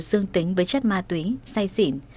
dương tính với chất ma túy say xỉn